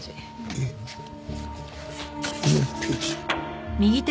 えっ次のページ。